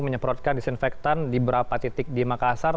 menyebrotkan disinfektan di berapa titik di makassar